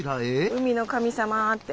「海の神様」って。